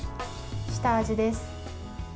下味です。